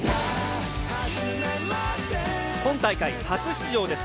今大会初出場です。